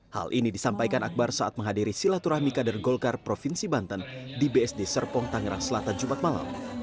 hal ini disampaikan akbar saat menghadiri silaturahmi kader golkar provinsi banten di bsd serpong tangerang selatan jumat malam